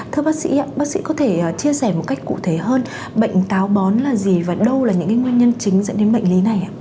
thưa bác sĩ ạ bác sĩ có thể chia sẻ một cách cụ thể hơn bệnh táo bón là gì và đâu là những nguyên nhân chính dẫn đến bệnh lý này ạ